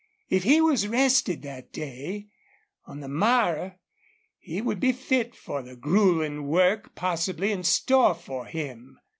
If he was rested that day, on the morrow he would be fit for the grueling work possibly in store for him.